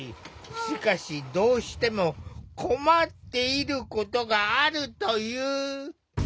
しかしどうしても困っていることがあるという。